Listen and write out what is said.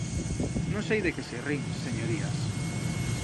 ¿Non sei de que se rin, señorías?